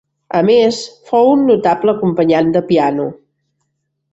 A més, fou un notable acompanyant de piano.